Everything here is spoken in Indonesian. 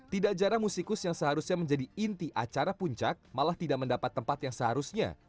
tidak jarang musikus yang seharusnya menjadi inti acara puncak malah tidak mendapat tempat yang seharusnya